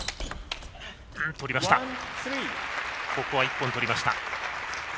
ここは１本取りました。